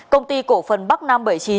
công ty cổ phần bắc nam bảy mươi chín